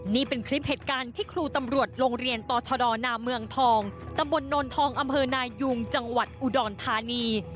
นี่เป็นคลิปเหตุการณ์ที่ครูตำรวจโรงเรียนต่อชดนามเมืองทองตำบลโนนทองอำเภอนายุงจังหวัดอุดรธานี